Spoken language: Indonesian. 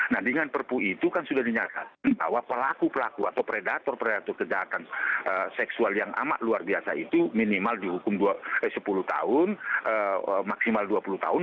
nah dengan perpu itu kan sudah dinyatakan bahwa pelaku pelaku atau predator predator kejahatan seksual yang amat luar biasa itu minimal dihukum sepuluh tahun maksimal dua puluh tahun